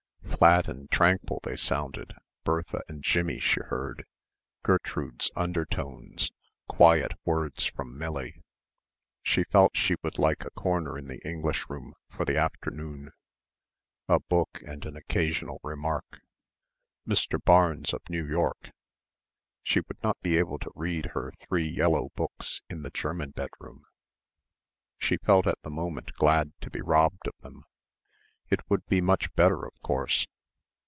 Flat and tranquil they sounded, Bertha and Jimmie she heard, Gertrude's undertones, quiet words from Millie. She felt she would like a corner in the English room for the afternoon, a book and an occasional remark "Mr. Barnes of New York" she would not be able to read her three yellow backs in the German bedroom. She felt at the moment glad to be robbed of them. It would be much better, of course.